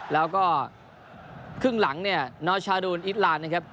แล้วก็ขึ้นหลังเนี่ยนอชาดูลอิตรานนะครับ